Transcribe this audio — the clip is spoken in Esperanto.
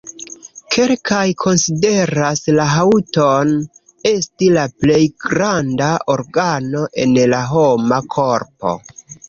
Kelkaj konsideras la haŭton esti la plej granda organo en la homa korpo.